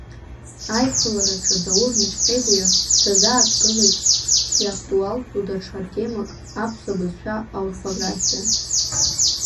Аиԥылараҿы Даур Наҷҟьебиа дазааҭгылеит иактуалтәу даҽа темакаԥсуа абызшәа аорфографиа.